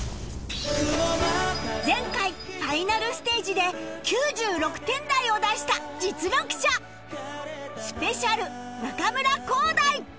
前回ファイナルステージで９６点台を出した実力者 ＳｐｅｃｉａＬ 中村浩大